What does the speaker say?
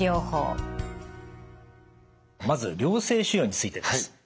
まず良性腫瘍についてです。